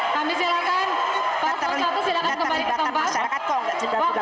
kami silakan pas lon satu silakan kembali ke tempat